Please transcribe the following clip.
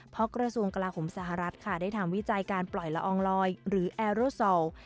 เพราะกระทรวงกลาโหมสหรัฐค่ะได้ทำวิจัยการปล่อยละอองลอยหรือแอร์โรซอล